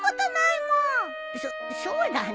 そっそうだね。